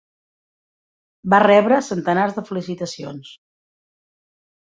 Va rebre centenars de felicitacions.